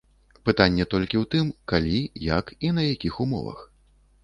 Пытанне толькі ў тым, калі, як і на якіх умовах.